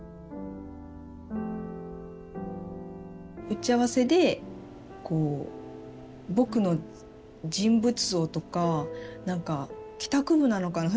打ち合わせで「ぼく」の人物像とか何か帰宅部なのかな